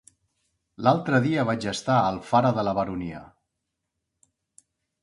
L'altre dia vaig estar a Alfara de la Baronia.